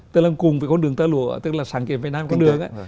tức là cùng với con đường tơ lụa tức là sáng kiến việt nam con đường ấy